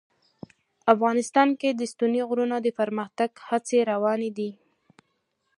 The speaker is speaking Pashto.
افغانستان کې د ستوني غرونه د پرمختګ هڅې روانې دي.